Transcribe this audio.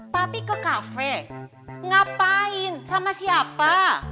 papi ke cafe ngapain sama siapa